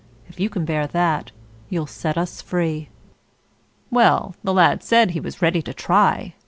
If you can bear that, you'll set us free." Well, the lad said he was ready to try.